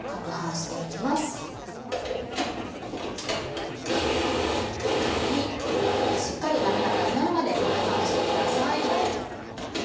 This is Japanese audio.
しっかり滑らかになるまで攪拌してください。